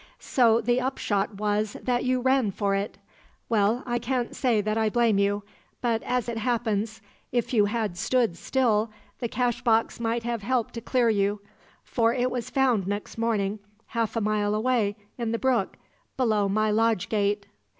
"So the upshot was that you ran for it? Well, I can't say that I blame you. But, as it happens, if you had stood still the cashbox might have helped to clear you; for it was found next morning, half a mile away in the brook, below my lodge gate."